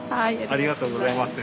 ありがとうございます。